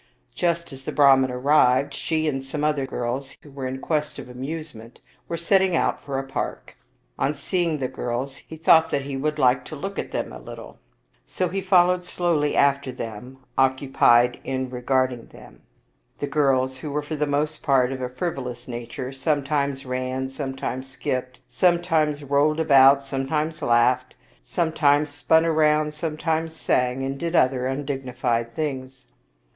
Just as the Brahman arrived, she and some other girls who were in quest of amusement were setting out for a park. On seeing the girls, he thought that he would like to look at them a little. So he followed slowly after them, occupied in re garding them. The girls, who were for the most part of a frivolous nature, sometimes ran, sometimes skipped, some times rolled about, sometimes laughed, sometimes spun round, sometimes sang, and did other undignified things.